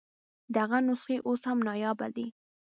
د هغه نسخې اوس هم نایابه دي.